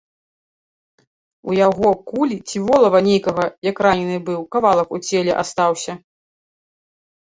У яго кулі ці волава нейкага, як ранены быў, кавалак у целе астаўся.